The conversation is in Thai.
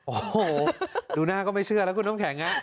โอ้โหดูหน้าก็ไม่เชื่อแล้วคุณน้ำแข็ง